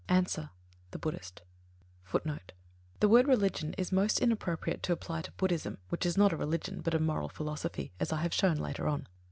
_ Answer. The Buddhist. The word "religion" is most inappropriate to apply to Buddhism which is not a religion, but a moral philosophy, as I have shown later on.